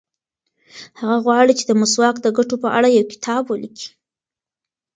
هغه غواړي چې د مسواک د ګټو په اړه یو کتاب ولیکي.